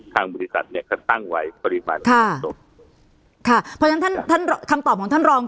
ทางบริษัทเนี่ยก็ตั้งไว้ปริมาณมากค่ะเพราะฉะนั้นท่านท่านคำตอบของท่านรอง